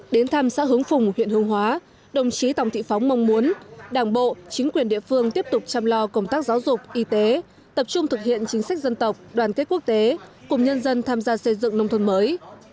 đến thăm xã hướng phùng huyện hương hóa đồng chí tòng thị phóng mong muốn đảng bộ chính quyền địa phương tiếp tục chăm lo công tác giáo dục y tế tập trung thực hiện chính sách dân tộc đoàn kết quốc tế cùng nhân dân tham gia xây dựng nông thôn mới